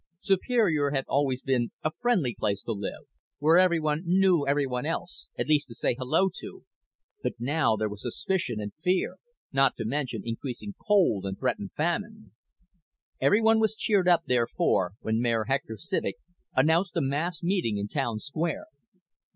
Superior had always been a friendly place to live, where everyone knew everyone else, at least to say hello to, but now there was suspicion and fear, not to mention increasing cold and threatened famine. Everyone was cheered up, therefore, when Mayor Hector Civek announced a mass meeting in Town Square.